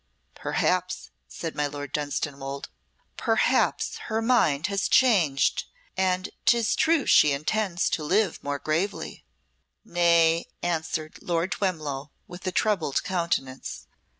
"Perhaps," said my Lord Dunstanwolde, "perhaps her mind has changed and 'tis true she intends to live more gravely." "Nay," answered Lord Twemlow, with a troubled countenance.